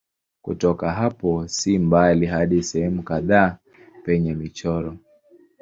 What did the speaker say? Kutoka hapo si mbali hadi sehemu kadhaa penye michoro.